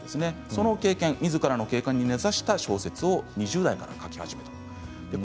その、みずからの経験に根ざした小説を２０代から書き始めたんです。